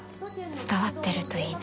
伝わってるといいね。